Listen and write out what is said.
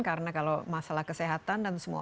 karena kalau masalah kesehatan dan semua